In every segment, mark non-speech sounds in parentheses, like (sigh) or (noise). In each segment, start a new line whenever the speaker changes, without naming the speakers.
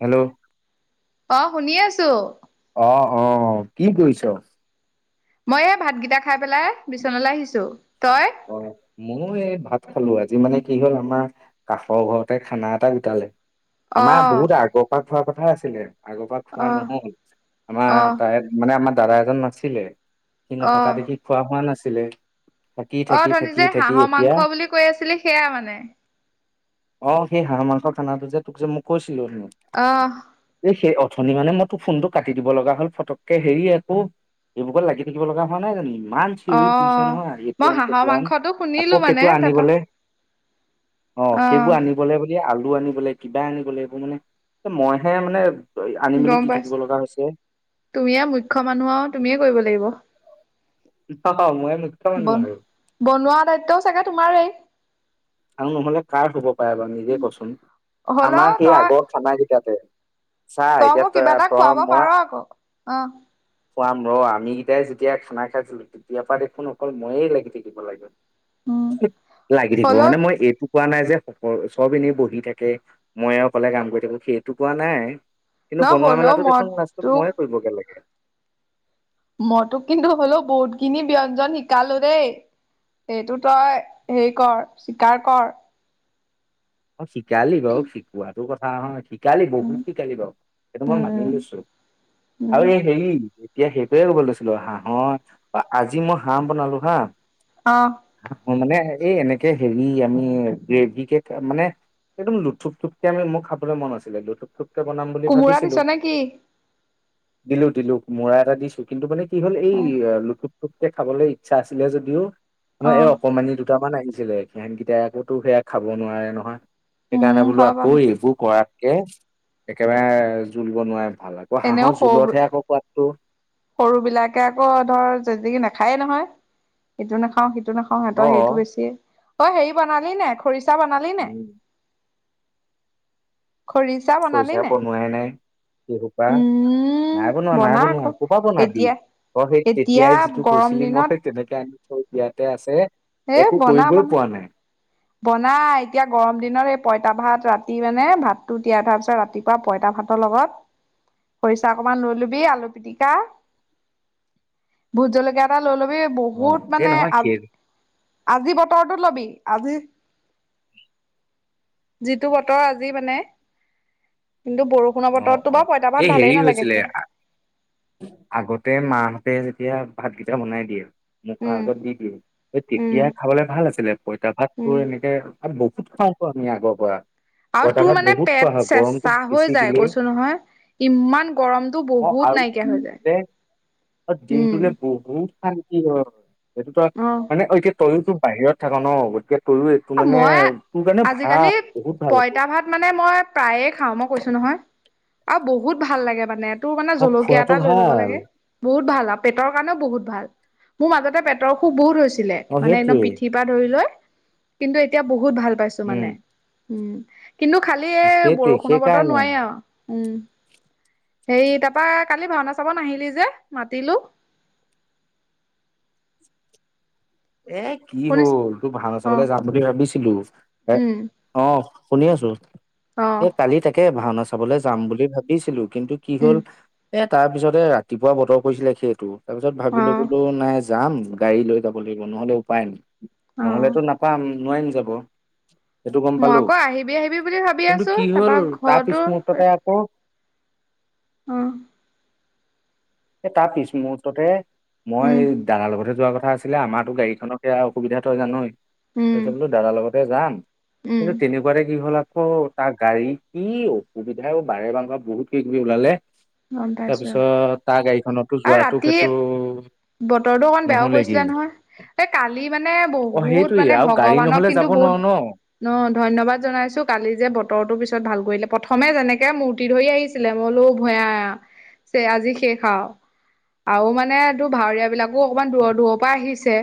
Hello.
অ', শুনি আছো।
অ', অ', কি কৰিছ'?
মই এই ভাতগিতা খাই পেলাই বিচনালে আহিছো। তই
অ', ময়ো এই ভাত খালো। আজি মানে কি হ'ল আমাৰ কাষৰ ঘৰতে খানা এটা গোটালে।
অ
আমাৰ বহুত আগৰ পা খোৱা কথা আছিলে। আগৰ পা
অ
খোৱা নহ'ল। আমাৰ
অ
তাই মানে আমাৰ দাদা এজন নাছিলে। সি
অ
নথকা দেখি খোৱা হোৱা নাছিলে। থাকি থাকি
অথনি
থাকি
যে
থাকি
হাঁহৰ
এতিয়া
মাংস বুলি কৈ আছিলি সেয়া মানে।
অ', সেই হাঁহৰ মাংস খানাটো যে তোক যে মই কৈছিলো।
অহ।
এ, সেই অথনি মানে মই তোৰ ফোনটো কাটি দিব লগা হ'ল ফটককে। হেৰি আকৌ এইবুকত লাগি থাকিব লগা হোৱা নাই জানো তুমি। ইমান
অ
চিঞৰি ফুৰিছ তে নহয় এইটো
মই
আন
হাঁহৰ
সেইটো আন
মাংসটো শুনিলো
আকৌ
মানে
সেইটো
তাৰপা
আনিবলেহ অ', সেইবোৰ আনিবলে ব দিয়ে আলু আনিবলে কিবা আনিবলে এইবোৰ মানে এ, মইহে মানে আনি মেলি
গম
দি
পাইছ,
থাকিব লগা হৈছে
তুমিয়ে মুখ্য মানুহ আৰু তুমিয়ে কৰিব লাগিব।
মই মুখ্য মানুহ
বন
আৰু
বনোৱা দায়িত্বও চাগে তোমাৰেই।
আৰু নহলে কাৰ হ'ব পাৰে বাৰু নিজে কচোন
হ'লেও
আমাৰ সেই
তই
আগৰ খানাই কেইটাতে চা
তই
এতিয়া
মোক কিবা
তয়ে
এটা
ত'
খুৱাব পাৰ
মই
আকৌ অ
খুৱাম বৰৰ আমি গীতাই যেতিয়া খানা খাইছিলো, তেতিয়া পৰা দেখোন অকল ময়ে লাগি থাকিব লাগে।
উম
লাগি থাকিব
হ'লেও
মানে মই এইটো কোৱা নাই যে সকৰ চব এনে বহি থাকে। মইয়ে অকলে কাম কৰি থাকো সেইটো কোৱা নাই।
ন
কিন্তু বনোৱা
হ'লেও
মেলাতো
মই
দেখোন লাষ্টত মইয়ে কৰিবগে লাগে।
মইতোক কিন্তু হ'লেও বহুতখিনি ব্যঞ্জন শিকালো দেই। এইটো তই হেৰি কৰ স্বীকাৰ কৰ।
অ শিকালি বাৰু শিকোৱাতো কথা নহয়। শিকালি
উম,
বহুত কি কালি বাৰু সেইটো মই মানি
উম,
লৈছো
উম,
আৰু এই হেৰি এতিয়া সেইটোৱে কব লৈছিলো হাঁ হ অ আজি মই হাঁহ বনালো হাঁ।
অ।
মানে এই এনেকে হেৰি আমি গ্ৰেভি কেক মানে একদম লুথুপপকে আমি মোক খাবলৈ মন আছিলে লুথুপুপ। বনাম বুলি
কোমোৰা দিছ
ভাবিছিলো।
নে কি?
দিলো দিলো মূৰা এটা দিছো কিন্তু মানে কি হ'ল এই লুতুপুপকে খাবলৈ ইচ্ছা আছিলে যে যদিও আমাৰ এই
অ',
অকমানি দুটামান আহিছিলে সিহনকেইটাই আকৌ তো সেয়া খাব নোৱাৰে নহয়। সেইকাৰণে
উম,
বোলো
হয় বাৰু
আকৌ
সেইটো
এইবোৰ কৰাতকে একেবাৰে জোল বনোৱ ভাল আকৌ
এনেও
হাঁহৰ
সৰু
জোলতহে আকৌ পোৱাতটো
সৰু বিলাকে আকৌ ধৰ জেকি নাখায়ে নহয় সিটো নাখাও সিটো নখা
অ
সিহঁতৰ সেইটো বেছি অ', হেৰি বনালি নে খৰিচা বনালি নে।
উম
খৰিচা বনালি
খৰিচা
নে?
বনোৱাই নাই কি সোপা
উম,
নাই বনোৱা নাই
বনা আকৌ
বনোৱা কোপা নাবি
এতিয়া
তই সেই
এতিয়া
তেতিয়াই যিটো
গৰম
কৈছিলি মই
দিনত
সেই তেনেকে আনি থই বিয়াতে আছে
এ
একো
বনা
কৰিবই
বনা
পোৱা নাই
বনাই এতিয়া গৰম দিনত এই পইতা ভাত ৰাতি মানে ভাততো তিয়াই থাৰ পিছত ৰাতিপুৱা পইতা ভাত ততৰ লগত খৰিচা অকমান ৰুই লবি আলু পিটিকা ভোত জলকে এটা ল লগ তি
অ
বহুত
এই
মানে
নহয়
আ
সেই
আজি বতৰৰতো ল'বি আজি যিটো বতৰ আজি মানে কিন্তু বৰষুণৰ
অ
বতৰততো
অ
বাৰ পঁইতা
এই
পাত
হেৰি
ভালেই নালাগে
হৈছিলে
হয়
আগতে মাহাহঁতে যেতিয়া ভাতকেইটা বনাই দিয়ে মুখা
উম
আগত দি দিয়ে
উম
তেতিয় খাবলে ভাল আছিলে পঁইতা ভাত
উম
তোৰ এনেকে বত খাম আগৰ পৰা
আৰু
পইতা
তোৰ
ভাত
মানে
বহুত খোৱা
পেট
হয় গৰমটো
চেচা হৈ
বেছি
যাই
দিলেই
কৈছো নহয় ইমান গৰমতটো
অ
বহুত
আৰু
নাইকিয়া হৈ যায়
দিনটোলে অ
উম
দিনটোে বহুত কি হয় সেইটো তো মানে অ এতিয়া তয়োতো বাহিৰত থাক ন গতিকে তইয়ো এইটো
অ
মানে
মই
তোৰ কাৰণে
আজিকালি
ভাল বহুত ভাল হ'ব
পইতা ভাত মানে মই প্ৰায়ে খাওঁ মই কৈছো নহয় আৰু বহুত ভাল লাগে মানে তোৰ মানে
অ
জলকীয়া
খোৱাটো
এটা লৈ ল'ব
ভাল
লাগে বহুত ভাল আৰু পেটৰ কাৰণেও বহুত ভাল মোৰ মাজতে পেটৰ সুখ বহুত হৈছে ছিলে
অ
মানে
সেইটোৱে
একদম পিঠিৰ পৰাা ধৰি লৈ কিন্তু এতিয়া বহুত ভাল পাইছো
উম
মানে উম কিন্তু খালি
অ
এই
সেইটোৱে
বৰষুণৰ বতৰ
সেইকাৰণে
নোৱেই আৰু
(unintelligible)
হে তাৰাপা কালি ভাওনা চাব আহিলি যে মাতিলো
(unintelligible) এ কি
শুনিছ
হ'ল তোৰ ভাওনা
অ
চাবলৈ যাম বুলি ভাবিছিলো এ
উম
অ শুনি আছো
অ
এই কালি তাকে ভাওনা চাবলৈ যাম বুলি ভাবিছিলো কিন্তু কি হল
উম
এ তাৰ পিছতে ৰাতিপুৱা বতৰ কৰিছিলে সেইটো তাৰপিছত ভাবি
অ
লবলৈো নাই যাম গাড়ী লৈ যাব লাগিব নহলে উপায় নাই নহলেতো
অ
নাপাম নোৱাৰাই ন যাব সেইটো গম
মই
পালো
আকৌ আহিবি আহিবি বুলি ভাবি
কিন্তু
আছো
কি হল
তাৰপা ঘৰতো
তাৰছ্মৰ্ততে আকৌ
আহ
এ তাৰ পিছ মুহুৰৰ্ততে মই দানাৰ লগতে যোৱা কথা আছিলে আমাৰতো গাড়ীখনৰ সেয়া অসুবিধা থ জান নয়
উম
তাৰপিছত বোলো দাদাৰ লগতে যাম
উম
কিন্তু তেনেকুৱাৰে কি হল অ তাৰ গাড়ী কি অসুবিধা অ বাৰে বান বহুত কেই ক ওলালে
অ পাইছো
তাৰপিছত তাৰ গাড়ীখনতো
আৰু
যোৱাটো
ৰাতি
সেইটো
বতৰটো অকমান বেয়াও কৰিছিলে
নহলেগেই
নহয় এই কালি মানে
অ
বহুত
সেইটোয়ে
মানে
আৰু গাড়ী
ভগৱানক
নহলে
কিন্তু
যাব
বহুত
নোৱাৰো ন
ন ধন্যবাদ জনাইছো কালি যে বতৰ তো পিছত ভাল কৰিলে পম প্ৰথমে যেনেকে মূৰ্তি ধৰি আহিছিলে মইলো ভূ আজি শেষ খাওঁ আৰু মানে তোৰ ভাৱৰিীয়া বিলাক অকনমান দূৰৰ দূৰৰ পৰা আহিছে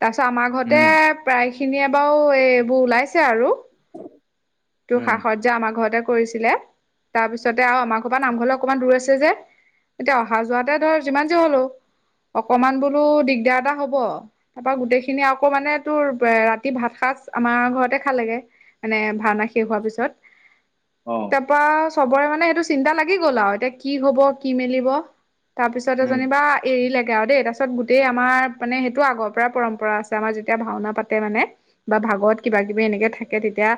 তাৰ পিছত আমাৰ ঘৰতে
উম
প্ৰায় খিনিয় এ বাৰু এই এইবোৰ ওলাইছে আৰু তোৰ
উম
সাহ সৰ্ আমাৰ ঘৰতে কৰিছিলে তাৰপিছতে আৰু আমাৰ ঘৰ পৰা নামঘৰলৈ অকমান দূৰ আছে যে এতিয়া অহা যোৱাতে ধৰ যিমান যিোৰ হলও অকমান বোলো দিগদাৰ এটা হব তাৰ পৰাা গোটেই খিনি আকৌ মানে তোৰ ৰাতি ভাত খাই আমাৰ ঘৰতে খাল লাগে মানে ভাওনা শেষ হোৱাৰ পিছত
অ
তাৰ পৰাা চবৰে মানে সেইটো চিন্তা লাগি গ'ল আৰু এতিয়া কি হব কি মেলিব তাৰপিছতে
উম
যেনিবা এৰিলে গা দেই তাৰ পাছত গোটেই আমাৰ মানে সেইটো আগৰ পৰাই পৰম্পৰা আছে আমাৰ যেতিয়া ভাওনা পাতে মানে বা। ভাগৱত কিবা কিবি এনেকে থাকে তেতিয়া।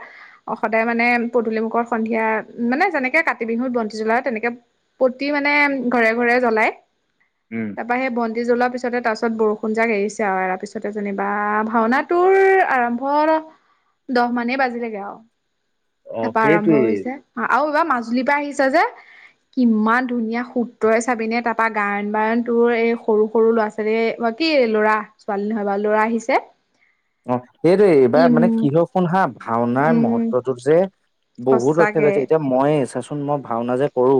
সদায় মানে পদূলিমুখৰ সন্ধিয়া মানে যেনেকে কাতি বিহুত বন্তি জ্বলা তেনেকে প্ৰতি মানে ঘৰে ঘৰে জ্বলাই
উম
তাৰপৰা সেই জুই জলোৱাৰ পিছতে তাৰ পাছত বৰষুণ যাক এৰিছে আৰু তাৰ পিছতে যেনিবা ভাওনাটোৰ আৰম্ভ দহ মানেই বাজিল গে আও
অ
তাৰাপা আৰম্ভ
সেইটোৱেই
হৈছে আৰু এইবাৰ মাজুলীৰ পৰা আহিছ যে কিমান ধুনীয়া সূত্ৰই চাবিনে তাৰাপা গায়ন বায়ন তোৰ এই সৰু সৰু ল'ৰা ছোৱালী বা কি ল'ৰা ছোৱালী নহয় বাৰু ল'ৰা আহিছে
অ 'সেইটোৱে এইবাৰ
ইম
মানে কিহ শুন হা ভাওনাৰ
উম
মহত্বটো যে বহুত ৰক্ষা
সঁচাকে
কৰিছে এতিয়া ময়ে চাচোন মই ভাওনা যে কৰো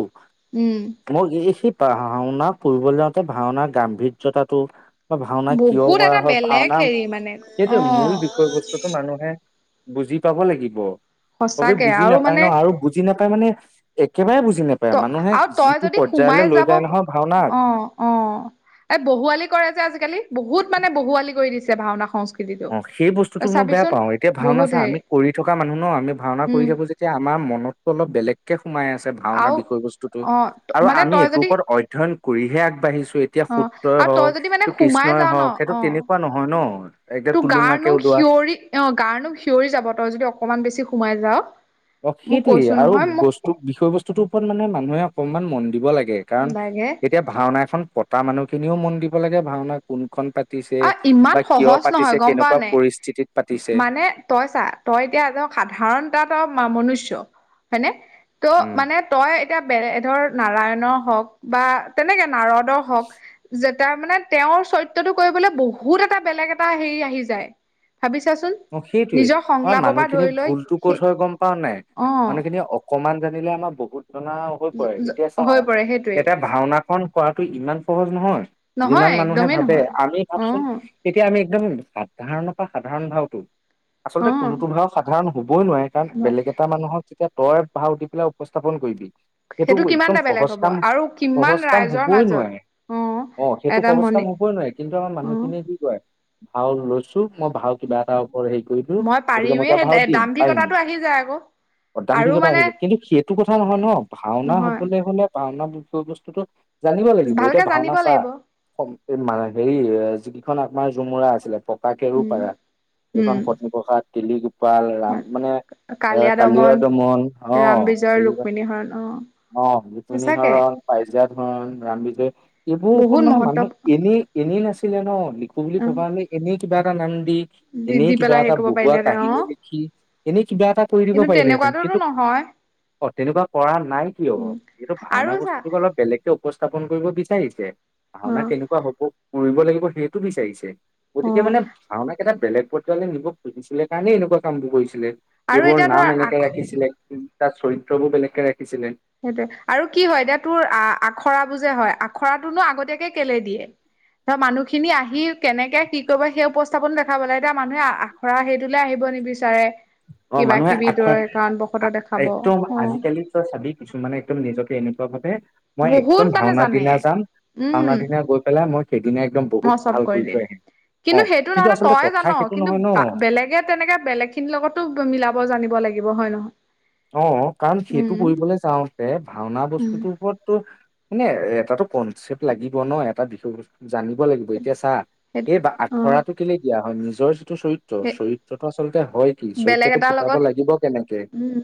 উম
মোৰ এহি ভাওনা কৰিবলৈ যাওঁতে ভাওনাৰ গাম্ভীৰ্যতাটো। ভাওনা কিয়
বহুত
কৰা
এটা
হয়
বেলেগ
ভাওনা
হেৰি মানে
সেইটোৱে
অ
মূল বিষয় বস্তুতটো মানুহে বুজি পাব লাগিব। সবেই
সঁচাকে
বুজি
আৰু
নাপায় ন
মানে
আৰু বুজি নাপায় মানে একেবাৰে বুজি নাপায়
ত
মানুহে
আৰু তই
যিটো
যদি
পৰ্যায়লৈ
সোমাই
লৈ
যাব
যায় নহয় ভাওনা
অ- অ এই বহুৱালি কৰে যে আজিকালি বহুত মানে বহুৱালি কৰি দিছে ভাওনা সংস্কৃতিৰ
অ' সেই বস্তুতো মই বেয়া পাওঁ এতিয়া ভাওনা
বহুত
চা
হেৰি
আমি কৰি থকা মানুহ ন আমি ভাওনা কৰি
উম
থাকো যেতিয়া আমাৰ মনতো অলপ বেলেগ। সোমাই আছে ভাওনা
আৰু
বিষয় বস্তুতটো
অ
আৰু
মানে
আমি
তই
এইটোৰ
যদি
ওপৰত অধ্যয়ন কৰিহে আগবাঢ়িছো। ত এতিয়া
অ
শুত্ৰই
আৰু তই
হওক
যদি মানে
ত
সোমাই
কৃষ্ণই
যাও ন
হওক সেইটো
অ
তেনেকুৱা নহয় ন' এতিয়া
তোৰ
টুলুঙাকে
গাৰনোম
ওলোৱা
হিয়ঞৰি অ গাৰ নোম সিঞৰি যাব তই যদি অকমান বেছি সোমাই যাৱ
অ 'সেইটোয়ে আৰু বস্তু বিষয় বস্তুটোৰ ওপৰত মানে মানুহে অকনমান মন দিব লাগে কাৰণ
লাগে
এতিয়া ভাওনা এখন পতা মানুহখিনিও মন দিব লাগে ভাওনা কোন।
অ 'ইমান সহজ নহয় গম পোৱা
কেনেকুৱা
নে
পৰিস্থিতিত পাতিছে
মানে তই চা তই এতিয়া এজন সাধাৰণ তাত মনুষ্য হয়নে ত'
উম,
মানে তই। এতিয়া বে ধৰ নাৰায়ণৰ হওক বা তেনেকে নাৰদৰ হওক যে। তাৰ মানে তেওঁৰ চৰিত্ৰটো কৰিবলৈ বহুত এটা বেলেগ এটা হেৰি আহি যায়। ভাবি চাচোন
অ' সেইটোৱে
নিজৰ
আমাৰ
সংলাপৰ পৰা
মানুহখিনি
ধৰি লৈ
ভুলতটো
সেই
কত হয় গম পোৱা নাই
অ
মানুহখিনি অকমান জানিলে আমাৰ বহুত জনা হৈ পৰে
হৈ পৰে সেইটোৱেই
এতিয়া ভাওনা। কৰাটো ইমান সহজ নহয়
নহয়
যিমান মানুহে
একদমেই
ভাবে
নহয়
আমি
অ
ভাবচোন এতিয়া আমি। একদম সাধাৰণৰ পৰা সাধাৰণ ভাৱটো
অ
আচলতে কোনোতো ভাও সাধাৰণ ক'ই নোৱাৰে কাৰণ
হয়
বেলেগ এটা মানুহক যেতিয়া তই পাহা উঠি পেলাই উপস্থাপন কৰিবি। সেইটো একদম
কিমানটা বেলেগ
সহজ
হ'ব
কাম
আৰু কিমান
সহজ কাম
ৰাইজৰ
হবই
মাজত
নোৱাৰে।
অ
অ' সেইটো
এটা
সহজ কাম
মণি
হবই নোৱাৰে কিন্তু আমাৰ
অ
মানুহখিনিয়ে কি কৰে ভাও লৈছো মই ভাও কিবা এটা। ওপৰত হেৰি কৰিলো গতিকে মই
পাৰিমেই
এতিয়া ভাও
সেই
দিম পাৰিম
দাম্ভিকতাটো আহি যায় আকৌ আৰু
অধান্তিকতা
মানে
আহিছে কিন্তু সেইটো কথা নহয় ন ভাওনা
নহয়
হবলৈ হলে। ভাওনা বিষয় বস্তুতটো জানিব লাগিব এতিয়া
ভালকে
ভাওনা
জানিব
চাহ।
লাগিব
এই মান হেৰি যিকিখন আমাৰ ঝমুৰা আছিলে পকা কেৰু
উম
পাৰা এইখন
উম
পত্নীপ্ৰসাদ। তিলিগোপাল ৰাম মানে। এ কালি দমন অ
ৰাম বিজয়
'কেনেকুৱা
ৰুক্মিণী হৰণ অ
অ ৰিপিনী
সঁচাকে
হৰণ পাইজা ধৰণ ৰাম বিজয় এইবোৰৰ ওপৰত
বহুত
মানে
মহত্ব
মানুহে এনেই এনেই নাছিল। ছিলে ন লিখো বুলি
অ
ভবা হ'লে এনে কিবা এটা নাম দি।
দি দি
এনেই কিবা
পেলাই হেৰি
এটা
কৰিব
বহুৱা
পাৰিলেহেঁতেন অ
কাহিনী লিখি এনেই কিবা এটা কৰি দিব
কিন্তু
পাৰিলেহেতেন
তেনেকুৱাতোতো
কিন্তু
নহয়
অ 'তেনেকুৱা কৰা নাই কিয়
উম
এইটো
আৰু
ভাওনা
চা
বস্তুটো অলপ বেলেগকে উপস্থাপন কৰিব বিচাৰিছে
অ
ভাওনা কেনেকুৱা হব কৰিব লাগিব সেইটো বিচাৰিছ।
অ
গতিকে মানে ভাওনাক এটা বেলেগ পৰ্যায়লৈ নিব খুজিছিলে কাৰণে এনেকুৱা কামবোৰ কৰিছিলে।
আৰু
এইবোৰ
এতিয়া
নাম
ধৰ
এনেকে
আখ
ৰাখিছিলে তাৰ চৰিত্ৰ বোৰ বেলেগকে ৰাখি
সেইটোয়ে, আৰু কি হয় এতিয়া তোৰ আ আখৰাটো যে হয় খৰাটোনো আগতীয়াকে কেলে দিয়ে। ধৰ মানুহখিনি আহি কেনেকে কি কৰিব সেই উপস্থাপনো দেখাব লাগে এতিয়া মানুহে আখৰা হেইটোলৈ আহিব নিবিচাৰে।
অ,
কিবা
মানুহে
কিবি
আখৰ
তই কাৰণবশতঃ দেখাব অ
একদম আজিকালি তই চাবি কিছুমানে একদম নিজকে এনেকুৱা ভাৱে মই
বহুত
একদম
মানে
ভাওনা
জানে
দিনা যাম ভাওনা
উম
দিনা গৈ পেলাই মই সেইদিনা একদম বহুত
মই চব
ভাল কৰি
দিম
থৈ আহিম। অ
কিন্তু সেইটো নহয় ন,
আচলতে
তই
কথা
জান
সেইটো
কিন্তু
নহয়
বা
ন
বেলেগে তেনেকে বেলেগ খিনিৰ লগত মিলাব জানিব লাগিব হয় নহয়।
অ, কাৰণ সেইটো
উম
কৰিবলৈ যাওঁতে ভাওনা
উম
বস্তুটোৰ ওপৰত তোৰ মানে এটাতো কনচেপ্ট লাগিব ন এটা বিষয়বস্তু জানিব লাগিব,
সেইটো
এতিয়া চা
সেইটো
এই
অ
আখৰাটো কেলে দিয়া হয় নিজৰ যি টো চৰিত্ৰ,
সেই
চৰিত্ৰটো আচলতে হয় কি
বেলেগ
চৰিত্ৰটো
এটাৰ
ফুটাব
লগত
লাগিব কেনেকে
উম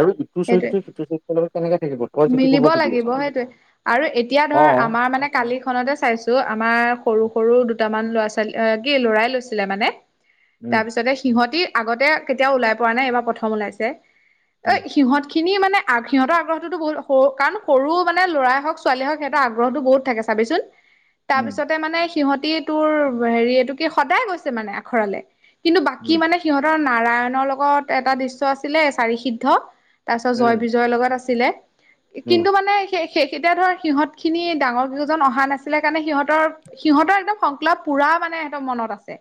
আৰু ইটো
সেইটোৱে
চৰিত্ৰই সিটো চৰিত্ৰৰ লগত কেনেকে থাকিব তই যিটো কব
মিলিব
খুজি আছ
লাগিব
মানে
সেইটোৱে, আৰু এতিয়া
অ
ধৰ আমাৰ মানে কালিৰখনতে চাইছো আমাৰ সৰু সৰু দুটামান ল'ৰা ছোৱালী অ' কি লৰাই লৈছিলে মানে তাৰ
উম
পিছতে সিহঁতি আগতে কেতিয়াও ওলাই পোৱা নাই এইবাৰ প্ৰথম ওলাইছে।
উম
অ' সিহঁতখিনি মানে আগ সিহঁতৰ আগ্ৰহ তোটো বহুত সৰু কাৰণ সৰু মানে ল'ৰাই হওঁক ছোৱালী হওঁক সিহঁতৰ আগ্ৰহটো বহুত থাকে চাবিচোন।
উম
তাৰপিছতে মানে সিহঁতি তোৰ হেৰি এইটো কি সদায় গৈছে মানে আখৰালে। কিন্তু বাকী
উম
মানে সিহঁতৰ নাৰায়ণৰ লগত এটা দৃশ্য আছিলে চাৰি সিদ্ধ। তাৰ পিছত জয়
উম
বিজয়ৰ লগত আছিলে।
উম
কিন্তু মানে সেই সেইকিতা ধৰ সিহঁত খিনি ডাঙৰ কেইজন অহা নাছিলে কাৰণে সিহঁতৰ সিহঁতৰ একদম সংকলাপ পুৰা মানে সিহঁতৰ মনত আছে।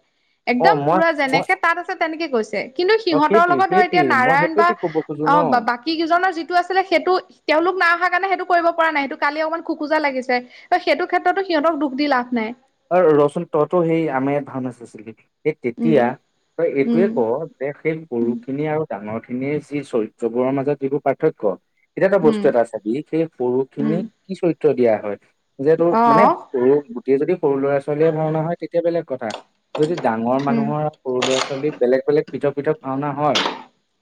অ
একদম
মই
পুৰা
মই
যেনেকে তাত আছে তেনেকে কৈছে। কিন্তু
অ
সিহঁতৰ
সেইটোৱে
লগত ধৰ এতিয়া
সেইটোৱে মই
নাৰায়ণ
সেইটোৱে
বা
তোক কব খোজো
অ'
ন
বা বাকী কেইজনৰ যিটো আছিলে সেইটো তেওঁলোক নাই অহা কাৰণে সেইটো কৰিব পৰা নাই সেইটো কালি অকমান খোকোজা লাগিছে ত' সেইটো ক্ষেত্ৰতো সিহঁতক দুখ দি লাভ নাই।
অ, ৰহচোন তইয়োতো সেই আমাৰ ইয়াত ভাল নাচিছিলি। সেই
উম,
তেতিয়া তই এইটোৱে
উম,
ক যে সেই সৰুখিনি আৰু ডাঙৰ খিনিৰ যি চৰিত্ৰবোৰৰ মাজত যিবোৰ পাৰ্থক্য এতিয়া তই বস্তু
উম,
এটা চাবি সেই
উম,
সৰুখিনিক কি চৰিত্ৰ দিয়া হয়। যে তোৰ মানে
অ',
সৰু গুটেই যদি সৰু ল'ৰা ছোৱালীয়ে ভাওনা হয় তেতিয়া বেলেগ কথা। যদি ডাঙৰ
উম,
মানুহৰ সৰু ল'ৰা ছোৱালী বেলেগ বেলেগ পৃথক পৃথক ভাওনা হয়।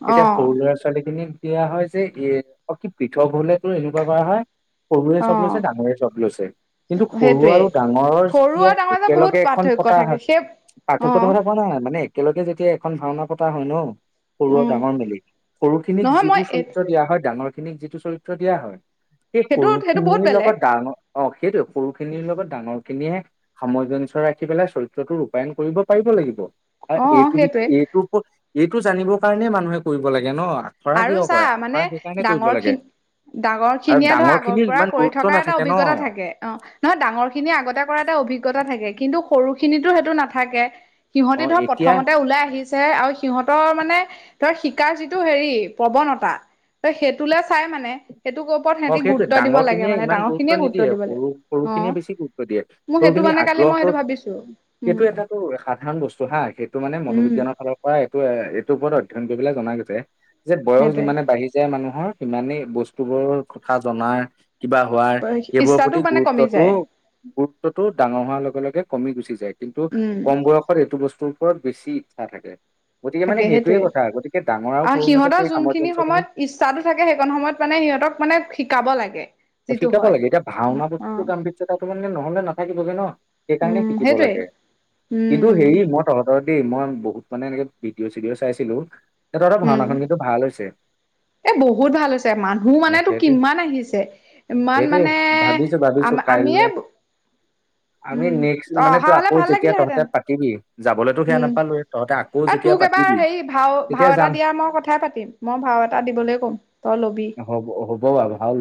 তেতিয়া
অ',
সৰু ল'ৰা ছোৱালী খিনিক দিয়া হয় যে, এ অ কি পৃথক হ'লেতো এনেকুৱা কৰা হয়। সৰুৰে চব
অ',
লৈছে, ডাঙৰে চব লৈছে। কিন্তু সৰু
সেইটোৱে।
আৰু ডাঙৰৰ
সৰু
তিয়া
আৰু ডাঙৰ মাজত বহুত
একেলগে এখন
পাৰ্থক্য
পতা
থাকে।
হয়।
সেই
পাৰ্থক্যটো
অ',
মানে হোৱা নাই, মানে একেলগে যেতিয়া এখন ভাওনা পতা হয় ন সৰু আৰু
উম,
ডাঙৰ মিলি, সৰু খিনিক
নহয় মই
যিবোৰ
এই
চৰিত্ৰ দিয়া হয় ডাঙৰ খিনিক যিটো চৰিত্ৰ দিয়া হয় সেই
সেইটো,
সৰু
সেইটো বহুত
খিনিৰ
বেলেগ।
লগত ডাঙৰ অ, সেইটোৱে সৰু খিনিৰ লগত ডাঙৰ খিনিয়ে সামঞ্জস্য ৰাখি পেলাই চৰিত্ৰটো ৰূপায়ণ কৰিব পাৰিব লাগিব। আৰু
অ',
এইটোই
সেইটোৱে।
এইটো এইটো জানিবৰ কাৰণেই মানুহে কৰিব লাগে ন। আখৰা কিয়
আৰু চা
কৰে
মানে
আখৰা সেইকাৰণে কৰিব
ডাঙৰ
লাগে।
খিনি ডাঙৰ
আৰু
খিনিয়ে ধৰ
ডাঙৰ
আগৰ
খিনিৰ
পৰা
ইমান
কৰি
গুৰুত্ব
থকাৰ এটা
নাথাকে ন
অভিজ্ঞতা থাকে অ, নহয় ডাঙৰ খিনিয়ে আগতে কৰা এটা অভিজ্ঞ অভিজ্ঞতা থাকে, কিন্তু সৰুখিনিতো সেইটো নাথাকে।
অ
সিহঁতি ধৰ
এতিয়া
প্ৰথমতে ওলাই আহিছেহে আৰু সিহঁতৰ মানে ধৰ শিকাৰ যিটো হেৰি। প্ৰৱণতা। ত'সেইটোলে চাই মানে সেইটোৰ ওপৰত
অ,
সিহঁতি
সেইটোয়ে
গুৰুত্ব দিব
ডাঙৰ
লাগে
খিনিয়ে
মানে
ইমান
ডাঙৰ
গুৰুত্ব
খিনিয়ে
নিদিয়ে,
দিব লাগে
সৰু সৰু
অ
খিনিয়ে বেছি গুৰুত্ব দিয়ে।
মোৰ সেইটো
সৰুখিনি
মানে কালি মই
আগ্ৰহটো
সেইটো ভাবিছো উম
সেইটো এটা তোৰ সাধাৰণ বস্তু হা, সেইটো মানে
উম
মনোবিজ্ঞানৰ ফালৰ পৰা এইটো ওপৰত অয়ন কৰিবলে জনাৈছে যে বয়স
সেইটোৱে
যিমানে বাঢ়ি যায় মানুহৰ সিমানেই বস্তুবোৰৰ কথা জনাই কিবা হোৱাৰ এইবোৰৰ
ইচ্ছাটো
প্ৰতি
মানে কমি
গুৰুত্বটো
যায়
গুৰুত্বটো ডাঙৰ হোৱাৰ লগে লগে কমি গুচি যায় কিন্তু
উম
কম বয়সত এইটো বস্তুৰ ওপৰত বেছি ইচ্ছা থাকে গতিকে মানে
থাকে
সেইটোৱে
সেইটোয়ে
কথা গতিকে ডাঙৰ
আৰু
সৰুৰ মাজত
সিহঁতৰ
সেই
যোনখিনি
সামঞ্জস্যখিনি
সময়ত ইচ্ছাো থাকে সেইখন সময়ত মানে সিহত সিহঁতক মানে শিকাব লাগে যিটো
শিকাব
হয়
লাগে এতিয়া ভাওনা বস্তুতটো
অ'
গাম্ভ্যতাাতো মানে নহ'লে নাথাকিব যেে ন সেইকাৰণে
উম
শিকিব
সেইটোৱে
লাগে কিন্তু
উম
হেৰি মই তহঁতৰ দেই মই বহুত মানে এনেকে ভিডিঅ' চিডিঅ' চাইছিলো এ তত
উম
ভাওনাখন কিন্তু ভাল হৈছে
এ বহুত ভাল হৈছে মানুহ মানেতো
সেইটো
কিমান আহিছে ইমান
এইট
মানে
ভাবিছো ভাবিছো
আম
কাইলৈ
আমিয়ে
নে আমি
উম
নেক্সট
অ'
মানে
অহা
তই
হলে
আকৌ
ভাল
যেতিয়া তহতে
লাগিলেহেঁতেন
পাতিবি যাবলৈতো সেয়া
উম
নাপালোয়ে তহঁতে আকৌ
আৰু
যেতিয়া
তোক এবাৰ
পাতিবি
হেৰি ভাও ভাও
তেতিয়া
এটা
যাম
দিয়া মই কথাই পাতিম মই ভাও এটা দিবলৈ ক'ম তই লবি
ব ভাল